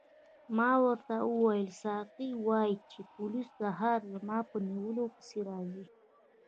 ما ورته وویل ساقي وایي چې پولیس سهار زما په نیولو پسې راځي.